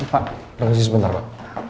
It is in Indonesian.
pak berhenti sebentar mbak